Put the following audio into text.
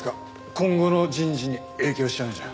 今後の人事に影響しちゃうんじゃ。